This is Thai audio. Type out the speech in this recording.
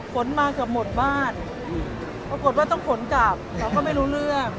ฝนมาเกือบหมดบ้านปรากฏว่าต้องขนกลับเราก็ไม่รู้เรื่อง